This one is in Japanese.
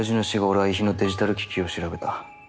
俺は遺品のデジタル機器を調べた。